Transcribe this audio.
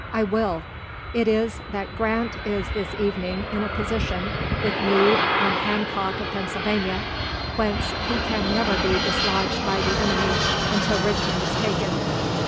I will. It is that Grant is this evening in a position, with Meade, and Hancock of Pennsylvania, whence he can never be dislodged by the enemy until Richmond is taken.